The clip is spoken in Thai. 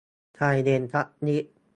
ใจเย็นสักนิด